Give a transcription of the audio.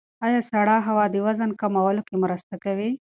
ایا سړه هوا د وزن کمولو کې مرسته کوي؟